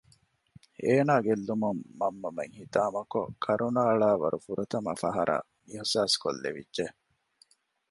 އޭނާ ގެއްލުމުން މަންމަމެން ހިތާމަކޮށް ކަރުނައަޅާނެ ވަރު ފުރަތަމަ ފަހަރަށް އިހްސާސްކޮށްލެވިއްޖެ